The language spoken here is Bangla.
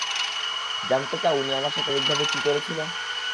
জানতে চাও উনি আমার সাথে শারীরিকভাবে কী করেছিল?